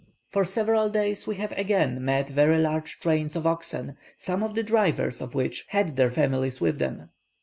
For several days we have again met very large trains of oxen, some of the drivers of which had their families with them.